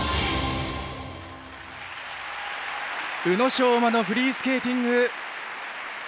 宇野昌磨のフリースケーティング。